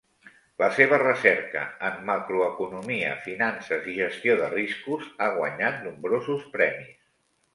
La seva recerca en macroeconomia, finances i gestió de riscos ha guanyat nombrosos premis.